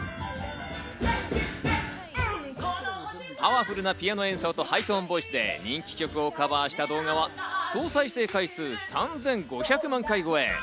パワフルなピアノ演奏とハイトーンボイスで人気曲をカバーした動画は総再生回数３５００万回超え。